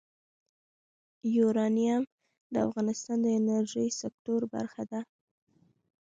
یورانیم د افغانستان د انرژۍ سکتور برخه ده.